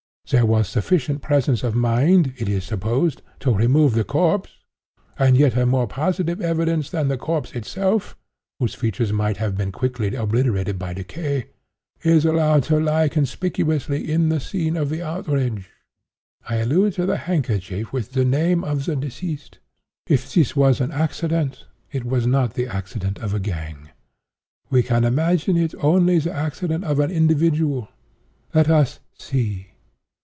There was sufficient presence of mind (it is supposed) to remove the corpse; and yet a more positive evidence than the corpse itself (whose features might have been quickly obliterated by decay,) is allowed to lie conspicuously in the scene of the outrage—I allude to the handkerchief with the name of the deceased. If this was accident, it was not the accident of a gang. We can imagine it only the accident of an individual. Let us see.